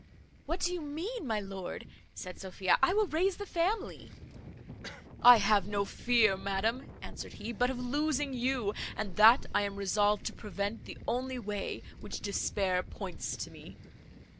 "What do you mean, my lord?" said Sophia; "I will raise the family." "I have no fear, madam," answered he, "but of losing you, and that I am resolved to prevent, the only way which despair points to me."